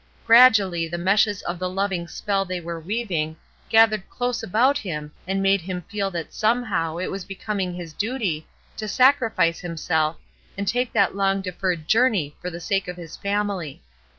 Gradually the meshes of the loving spell they were weaving gathered close about him and made him feel that somehow it was becoming his duty to sacrifice himself and take that long deferred journey for the sake of his family.